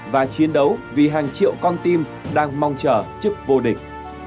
và chiến đấu vì hàng triệu con tim đang mong chờ trước vô địch